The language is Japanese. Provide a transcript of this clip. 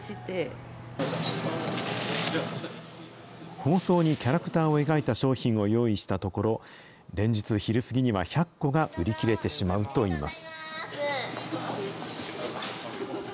包装にキャラクターを描いた商品を用意したところ、連日昼過ぎには１００個が売り切れてしまうといいます。